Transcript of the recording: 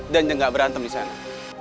dan juga gak berantem disana